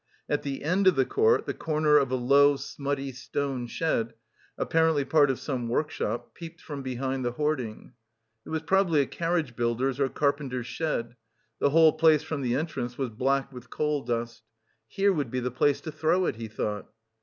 At the end of the court, the corner of a low, smutty, stone shed, apparently part of some workshop, peeped from behind the hoarding. It was probably a carriage builder's or carpenter's shed; the whole place from the entrance was black with coal dust. Here would be the place to throw it, he thought.